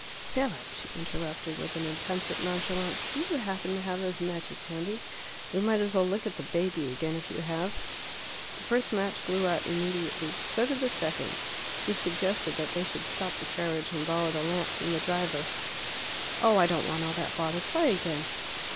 "Philip," she interrupted, with an attempt at nonchalance, "do you happen to have those matches handy? We might as well look at the baby again if you have." The first match blew out immediately. So did the second. He suggested that they should stop the carriage and borrow the lamp from the driver. "Oh, I don't want all that bother. Try again."